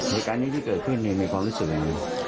เหตุการณ์นี้ที่เกิดขึ้นเนี่ยมีความรู้สึกยังไง